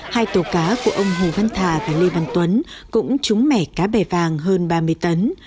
hai tàu cá của ông hồ văn thà và lê văn tuấn cũng trúng mẻ cá bè vàng hơn ba mươi tấn